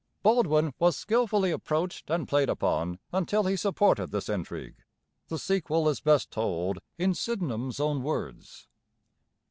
Baldwin was skilfully approached and played upon until he supported this intrigue. The sequel is best told in Sydenham's own words.